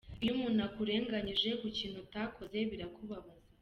Iyo umuntu akurenganyije ku kintu utakoze birakubabaza.